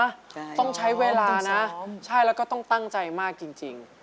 ใช่ต้องซ้อมต้องใช้เวลานะใช่แล้วก็ตั้งใจมากจริง